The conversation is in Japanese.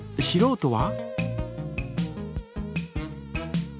しろうとは？